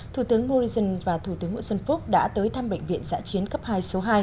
thủ tướng morrison và thủ tướng nguyễn xuân phúc đã tới thăm bệnh viện giã chiến cấp hai số hai